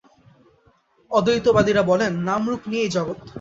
অদ্বৈতবাদীরা বলেন, নামরূপ নিয়েই জগৎ।